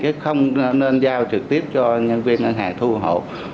chứ không nên giao trực tiếp cho nhân viên ngân hàng thu ủng hộ